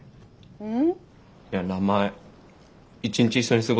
うん。